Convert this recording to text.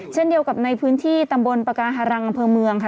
เช่นเดียวกับในพื้นที่ตำบลปากาฮารังอำเภอเมืองค่ะ